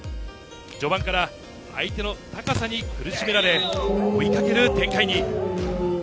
序盤から相手の高さに苦しめられ追いかける展開に。